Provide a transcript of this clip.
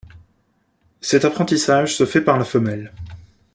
Cet apprentissage se fait par la femelle.